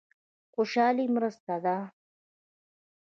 خوشالي مرسته ده.